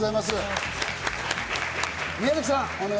宮崎さん！